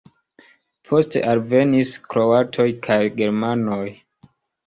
Poste alvenis kroatoj kaj germanoj.